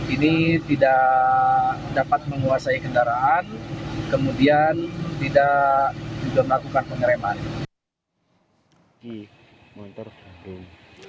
ini tidak dapat menguasai kendaraan kemudian tidak juga melakukan pengereman